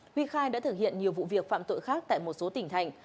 huy khai đã thực hiện nhiều vụ việc phạm tội khác tại một số tỉnh thành